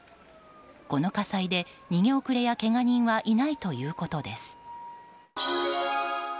この火災で逃げ遅れやけが人はいないということです。